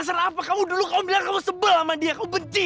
sampai jumpa di video selanjutnya